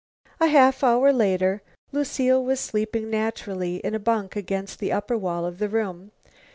A half hour later Lucile was sleeping naturally in a bunk against the upper wall of the room.